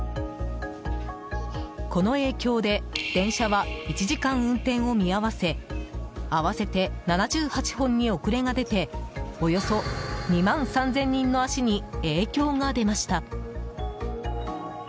この影響で電車は１時間運転を見合わせ合わせて７８本に遅れが出ておよそ２万３０００人の足に影響が出ました。